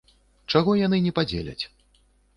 Чаго яны не падзеляць?